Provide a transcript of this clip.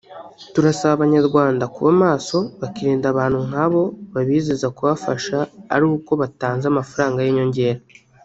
”Turasaba Abanyarwanda kuba maso bakirinda abantu nk’abo babizeza kubafasha ari uko batanze amafaranga y’inyongera